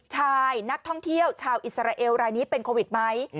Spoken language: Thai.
ชายนักท่องเที่ยวชาวอิสราเอลรายนี้เป็นโควิดไหม